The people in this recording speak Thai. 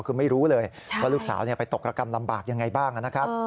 คือไม่รู้เลยว่าลูกสาวไปตกระกรรมลำบากยังไงบ้างนะครับ